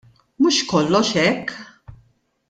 Mhux kollox hekk!